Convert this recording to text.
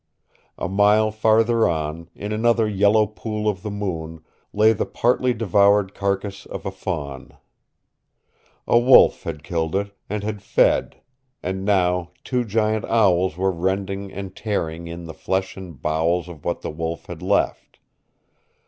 A mile farther on, in another yellow pool of the moon, lay the partly devoured carcass of a fawn. A wolf had killed it, and had fed, and now two giant owls were rending and tearing in the flesh and bowels of what the wolf had left.